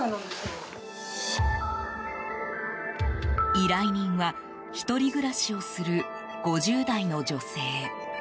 依頼人は１人暮らしをする５０代の女性。